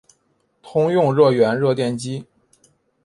通用热源热电机。